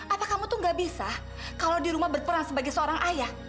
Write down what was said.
atau kamu tuh gak bisa kalau di rumah berperan sebagai seorang ayah